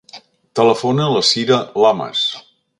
Telefona a la Cira Lamas.